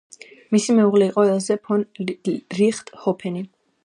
მისი მეუღლე იყო ელზე ფონ რიხტჰოფენი.